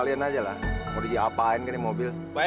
lindungilah papa hamba